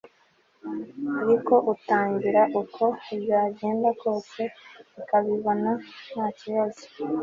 ariko utangira uko byagenda kose ukabibona ntakibazo